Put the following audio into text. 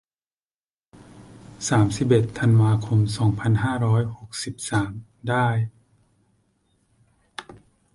สามสิบเอ็ด ธันวาคม สองพันห้าร้อยหกสิบสาม ได้